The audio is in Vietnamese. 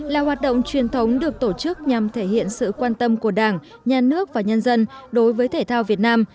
là hoạt động truyền thống được tổ chức nhằm thể hiện sự quan tâm của đảng nhà nước và nhân dân đối với thể thao việt nam